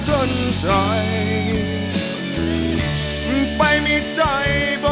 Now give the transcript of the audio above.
ขอบคุณมาก